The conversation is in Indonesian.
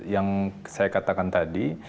yang saya katakan tadi